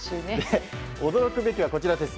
驚くべきはこちらです。